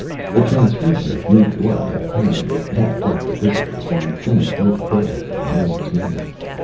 The transfusion of new blood had apparently pepped up the visitors, and things looked bad for the home team.